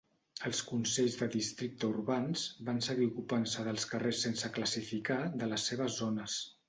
Els consells de districte urbans van seguir ocupant-se dels carrers sense classificar de les seves zones.